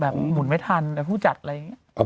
แบบหมุนไม่ทันหรือพูดจัดอะไรอย่างเงี้ย